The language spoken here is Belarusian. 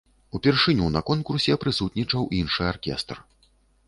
Упершыню на конкурсе прысутнічаў іншы аркестр.